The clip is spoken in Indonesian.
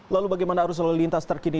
lalu bagaimana arus lalu lintas terkini